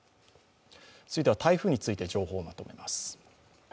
続いては台風について情報をまとめます。